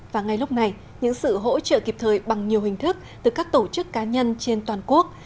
và ngay lúc này những sự hỗ trợ kịp thời bằng nhiều hình thức từ các tổ chức cá nhân trên toàn quốc